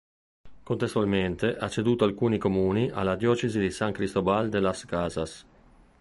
Contestualmente ha ceduto alcuni comuni alla diocesi di San Cristóbal de Las Casas.